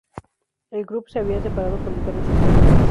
El grupo se había separado por diferencias teatrales.